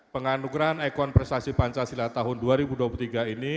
penganugerahan ekon prestasi pancasila tahun dua ribu dua puluh tiga ini